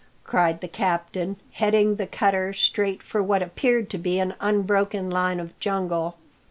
cried the captain, heading the cutter straight for what appeared to be an unbroken line of jungle.